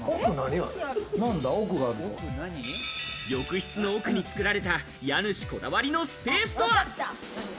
浴室の奥に作られた家主こだわりのスペースとは？